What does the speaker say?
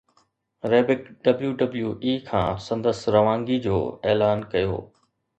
Ryback WWE کان سندس روانگي جو اعلان ڪيو